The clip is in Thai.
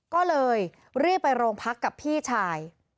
ก็เลยรีบไปโรงพักกับพี่ชาย